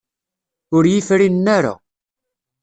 Ur iyi-frinen ara.